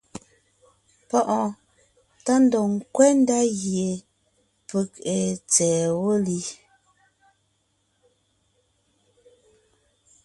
Páʼɔɔn tá ndɔg ńkwɛ́ ndá gie peg èe tsɛ̀ɛ wó li.